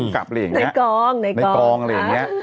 กลับอะไรอย่างนี้ในกองในกองอะไรอย่างนี้